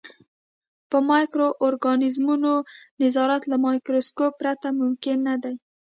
په مایکرو ارګانیزمونو نظارت له مایکروسکوپ پرته ممکن نه دی.